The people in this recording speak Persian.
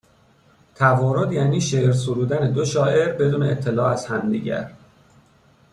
توارد یعنی شعر سرودن دو شاعر بدون اطلاع از همدیگر